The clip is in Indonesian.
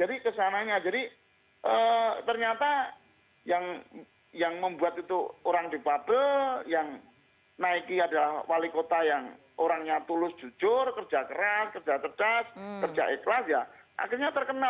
jadi kesananya jadi ternyata yang membuat itu orang jepat yang naiki adalah wali kota yang orangnya tulus jujur kerja keras kerja keras kerja ikhlas ya akhirnya terkenal